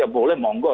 ya boleh monggo